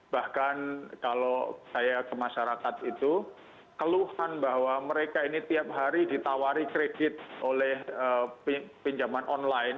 bahkan kalau saya ke masyarakat itu keluhan bahwa mereka ini tiap hari ditawari kredit oleh pinjaman online